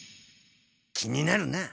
気になるな。